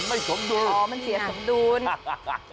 ไม่สมดุลอ๋อมันเสียสมดุล